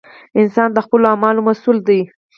انسان د خپلو اعمالو مسؤول دی!